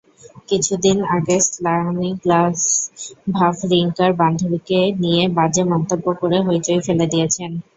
কিছুদিন আগে স্তানিস্লাস ভাভরিঙ্কার বান্ধবীকে নিয়ে বাজে মন্তব্য করে হইচই ফেলে দিয়েছেন।